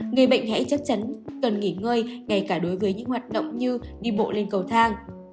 người bệnh hãy chắc chắn cần nghỉ ngơi ngay cả đối với những hoạt động như đi bộ lên cầu thang